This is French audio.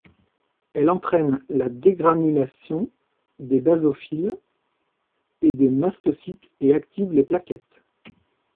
Elle entraîne la dégranulation des basophiles et des mastocytes et active les plaquettes.